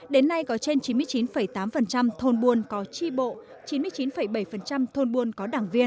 đến nay có trên chín mươi chín tám thôn buôn có chi bộ